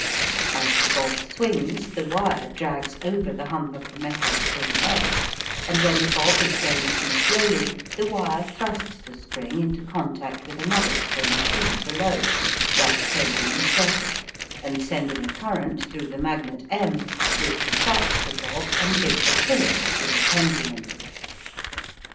As the bob swings the wire drags over the hump of the metal spring S, and when the bob is going too slowly the wire thrusts the spring into contact with another spring T below, thus closing the circuit, and sending a current through the magnet M, which attracts the bob and gives a fillip to the pendulum.